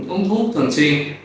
uống thuốc thường xuyên